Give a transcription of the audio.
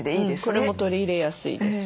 これも取り入れやすいです。